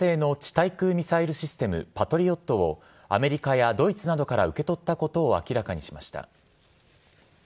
対空ミサイルシステムパトリオットをアメリカやドイツなどから受け取ったことを明らかにしました。